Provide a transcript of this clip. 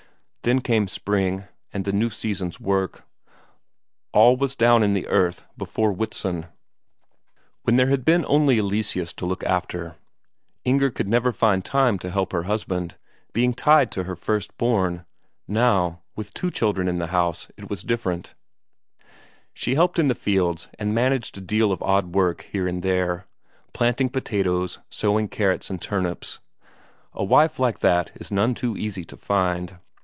Then came spring, and the new season's work; all was down in the earth before Whitsun. When there had been only Eleseus to look after, Inger could never find time to help her husband, being tied to her first born; now, with two children in the house, it was different; she helped in the fields and managed a deal of odd work here and there; planting potatoes, sowing carrots and turnips. A wife like that is none so easy to find.